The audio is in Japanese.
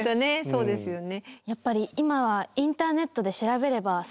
そうですよね。